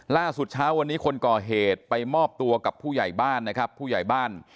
ล่าสุดเช้าวันนี้คนก่อเหตุไปมอบตัวกับผู้ใหญ่บ้านนะครับผู้ใหญ่บ้าน